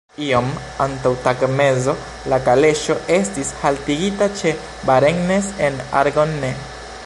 Iom antaŭ tagmezo la kaleŝo estis haltigita ĉe Varennes-en-Argonne.